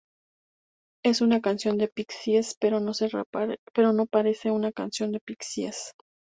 Es una canción de Pixies pero no se parece a una canción de Pixies".